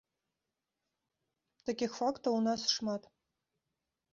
Такіх фактаў у нас шмат.